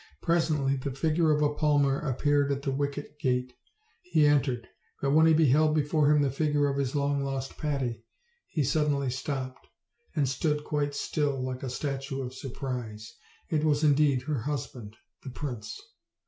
Presently the figure of a palmer appeared at the wicket gate. He entered; but when he beheld before him the figure of his long lost Patty he suddenly stopped, and stood quite still, like a statue of surprise. It was indeed her hus band the prince!